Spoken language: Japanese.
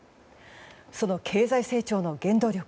その経済成長の原動力